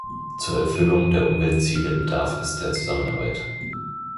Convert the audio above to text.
Zur Erfüllung der Umweltziele bedarf es der Zusammenarbeit.